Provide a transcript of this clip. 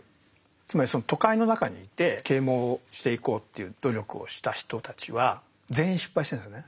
つまりその都会の中にいて啓蒙していこうっていう努力をした人たちは全員失敗してるんですよね。